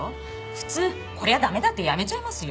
普通こりゃ駄目だって辞めちゃいますよ。